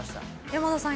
山田さん